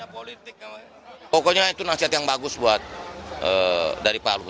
pokoknya itu nasihat yang bagus buat dari pak luhut